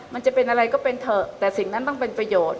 มันจะเป็นอะไรก็เป็นเถอะแต่สิ่งนั้นต้องเป็นประโยชน์